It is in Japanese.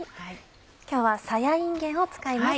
今日はさやいんげんを使います。